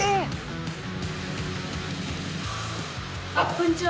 こんにちは。